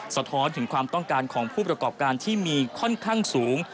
สะท้อนถึงความต้องการของผู้ประกอบการที่มีค่อนข้างสูง